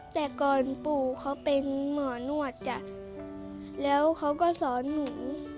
แต่ก่อนปู่เขาเป็นหมอนวดจ้ะแล้วเขาก็สอนหนู